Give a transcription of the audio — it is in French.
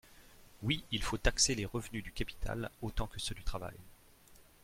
Oui, il faut taxer les revenus du capital autant que ceux du travail.